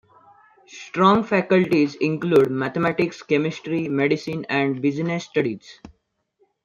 Strong faculties include mathematics, chemistry, medicine and business studies.